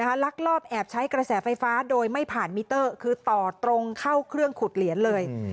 ลักลอบแอบใช้กระแสไฟฟ้าโดยไม่ผ่านมิเตอร์คือต่อตรงเข้าเครื่องขุดเหรียญเลย